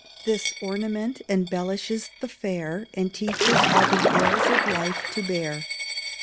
_ This ornament embellishes the fair, And teaches all the ills of life to bear.